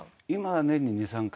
年に２３回？